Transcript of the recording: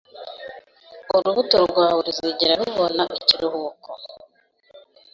Urubuto rwawe ruzigera rubona ikiruhuko